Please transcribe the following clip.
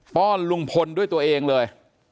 ้อนลุงพลด้วยตัวเองเลย